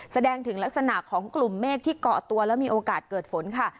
แสดงถึงลักษณะของกลุ่มเมฆที่เกาะตัวแล้วมีโอกาสเกิดฝนค่ะ